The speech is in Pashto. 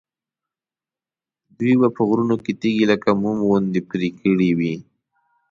دوی به په غرونو کې تیږې لکه موم غوندې پرې کړې وي.